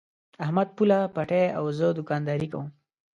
احمد پوله پټی او زه دوکانداري کوم.